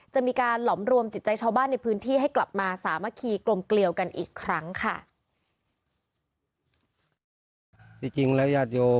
จะมีการหลอมรวมจิตใจชาวบ้านในพื้นที่ให้กลับมาสามัคคีกลมเกลียวกันอีกครั้งค่ะ